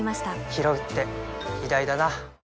ひろうって偉大だな